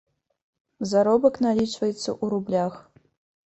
Заробак налічваецца ў рублях.